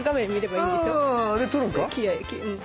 うん。